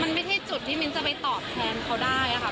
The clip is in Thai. มันไม่ใช่จุดที่มิ้นจะไปตอบแทนเขาได้ค่ะ